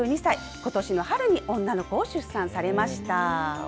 ことしの春に女の子を出産されました。